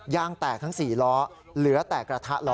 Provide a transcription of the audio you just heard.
ยางแตกทั้ง๔ล้อเหลือแต่กระทะล้อ